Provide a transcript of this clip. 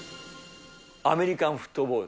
アメリカンフットボール。